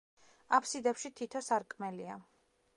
აფსიდებში თითო სარკმელია.